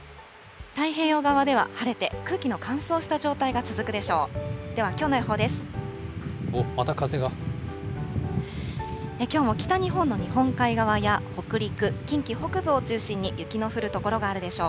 太平洋側では晴れて、空気の乾燥した状態が続くでしょう。